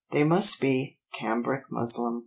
They must be cambric muslin."